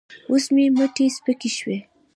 اوس مې مټې سپکې شوې.